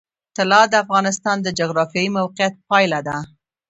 طلا د افغانستان د جغرافیایي موقیعت پایله ده.